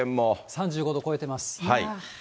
３５度を超えてます。